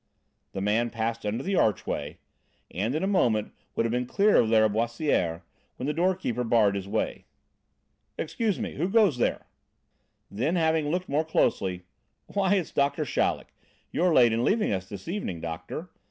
The man passed under the archway, and in a moment would have been clear of Lâriboisière, when the doorkeeper barred his way. "Excuse me, who goes there?" Then, having looked more closely: "Why it's Doctor Chaleck! You're late in leaving us this evening, doctor.